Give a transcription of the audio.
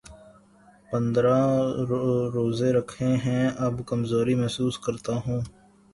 پندرہ روزے رکھے ہیں‘ اب کمزوری محسوس کر تا ہوں۔